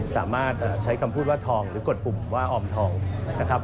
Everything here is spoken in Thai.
สามารถใช้คำพูดว่าทองหรือกดปุ่มว่าออมทองนะครับ